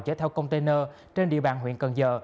chở theo container trên địa bàn huyện cần giờ